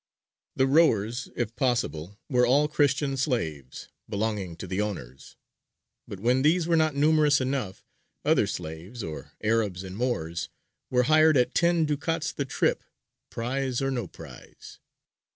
The rowers, if possible, were all Christian slaves, belonging to the owners, but when these were not numerous enough, other slaves, or Arabs and Moors, were hired at ten ducats the trip, prize or no prize.